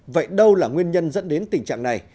vậy đâu là nguyên nhân dẫn đến tình trạng này